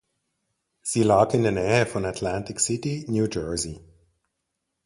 Sie lag in der Nähe von Atlantic City, New Jersey.